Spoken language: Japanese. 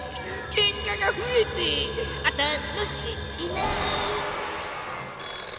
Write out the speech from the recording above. ケンカがふえて楽しいな！